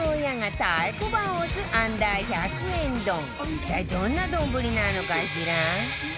一体どんな丼なのかしら？